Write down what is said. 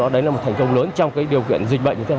đấy là một thành công lớn trong điều kiện dịch bệnh như thế nào